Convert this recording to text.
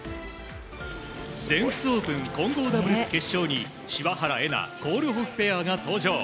全仏オープン混合ダブル決勝に柴原瑛菜コールホフペアが登場。